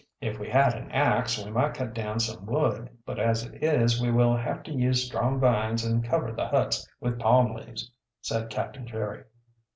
"If we had an ax we might cut down some wood, but as it is we will have to use strong vines and cover the huts with palm leaves," said Captain Jerry.